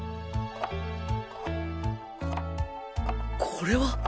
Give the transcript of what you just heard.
これは！